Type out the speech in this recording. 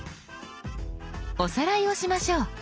おさらいをしましょう。